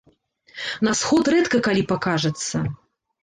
На сход рэдка калі пакажацца.